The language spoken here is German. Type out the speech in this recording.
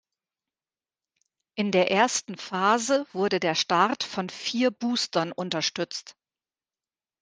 In der ersten Phase wurde der Start von vier Boostern unterstützt.